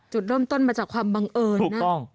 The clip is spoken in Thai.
จุดเริ่มต้นมาจากความบังเอิญนะ